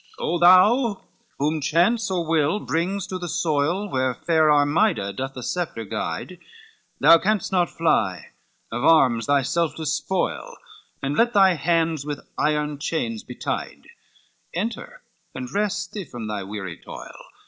XXXII "O thou, whom chance or will brings to the soil, Where fair Armida doth the sceptre guide, Thou canst not fly, of arms thyself despoil, And let thy hands with iron chains be tied; Enter and rest thee from thy weary toil.